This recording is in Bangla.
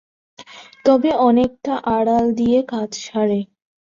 তবে অনেকটা আড়াল দিয়ে কাজ সারে।